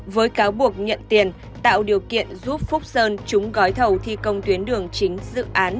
với cáo buộc nhận tiền tạo điều kiện giúp phúc sơn trúng gói thầu thi công tuyến đường chính dự án